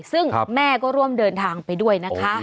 ซึ่งแม่ก็ร่วมเดินทางไปด้วยนะคะ